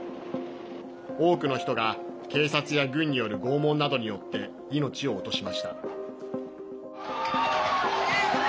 多くの人が警察や軍による拷問などによって命を落としました。